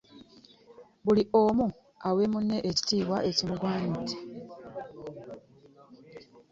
Buli omu awe munne ekitiibwa ekimugwaniidde.